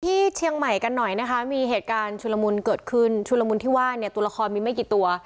ที่เชียงใหม่กันหน่อยนะคะมีเหตุการณ์ชุลมุนเกิดขึ้นชุลมุนที่ว่าเนี่ยตัวละครมีไม่กี่ตัว